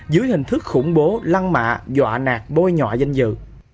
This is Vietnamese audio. dưới hình thức khủng bố lăn mạ dọa nạt bôi nhọa danh dự